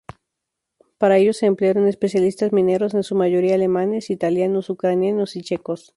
Para ello, se emplearon especialistas mineros, en su mayoría alemanes, italianos, ucranianos y checos.